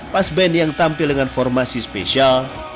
pasben yang tampil dengan formasi spesial